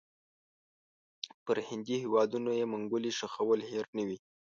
پر هندي هیوادونو یې منګولې ښخول هېر نه وي.